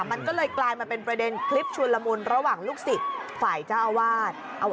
มันก็เลยกลายมาเป็นประเด็นคลิปชวนละมุนระหว่างลูกศิษย์ฝ่ายเจ้าอาวาส